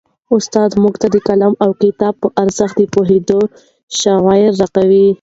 استاد موږ ته د قلم او کتاب په ارزښت د پوهېدو شعور راکوي.